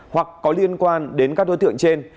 hoặc có liên quan đến các đối tượng trên